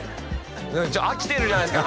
ちょっと飽きてるじゃないですか